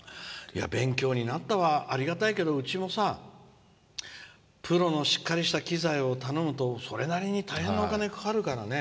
勉強になったはありがたいけどうちもさ、プロのしっかりした機材を頼むと、それなりに大変なお金かかるからね。